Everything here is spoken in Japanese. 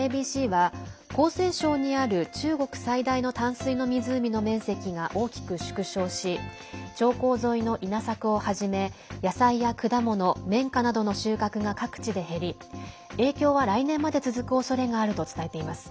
ＡＢＣは広西省にある中国最大の淡水の湖の面積が大きく縮小し長江沿いの稲作をはじめ野菜や果物綿花などの収穫が各地で減り影響は来年まで続くおそれがあると伝えています。